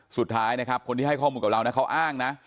สุดท้ายนะครับคนที่ให้ข้อมูลกับเรานะเขาอ้างนะ